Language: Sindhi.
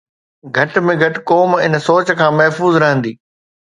گهٽ ۾ گهٽ قوم ان سوچ کان محفوظ رهندي.